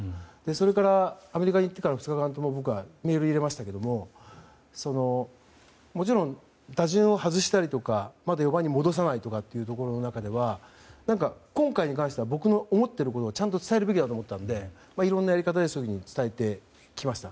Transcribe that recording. それから、アメリカに行ってからの２日間ともメールを入れましたけどもちろん、打順を外したりとかまだ４番に戻さないとかっていう中では今回に関しては僕の思っていることをちゃんと伝えるべきだと思ったのでいろんなやり方でそういうのを伝えてきました。